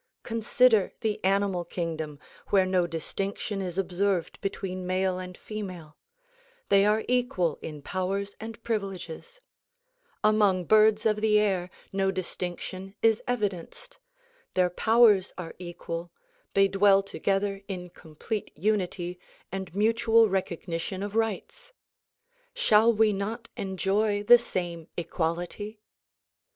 Consider the animal kingdom where no distinction is observed between male and female. They are equal in powers and privileges. Among birds of the air no distinction is evidenced. Their powers are equal, they dwell together in com plete unity and mutual recognition of rights. Shall we not enjoy the same equality?